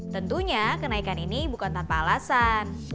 tentunya kenaikan ini bukan tanpa alasan